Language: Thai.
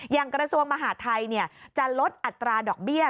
อย่างกระทรวงมหาดไทยเนี่ยจะลดอัตราดอกเบี้ย